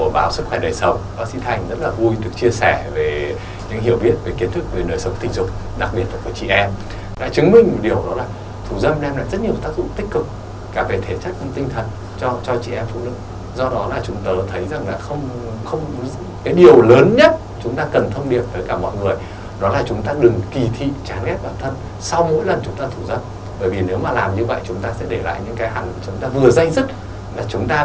bởi vì nếu mà làm như vậy chúng ta sẽ để lại những cái hẳn chúng ta vừa dây dứt